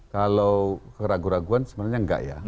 kalau keraguan raguan sebenarnya nggak ya